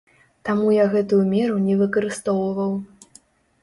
Таму я гэтую меру не выкарыстоўваў.